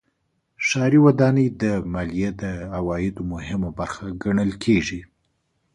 ښاري ودانۍ د مالیې د عوایدو مهمه برخه ګڼل کېږي.